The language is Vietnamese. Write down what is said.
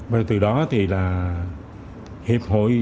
và từ đó thì là hiệp hội ấn định